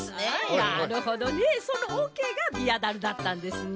なるほどねそのおけがビアだるだったんですね。